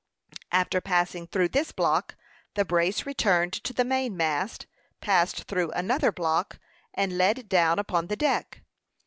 After passing through this block, the brace returned to the main mast, passed through another block, and led down upon the deck.